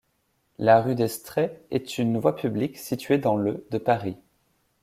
La rue d’Estrées est une voie publique située dans le de Paris.